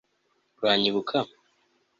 uranyibuka